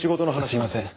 すいません。